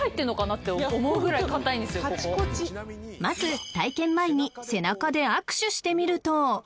［まず体験前に背中で握手してみると］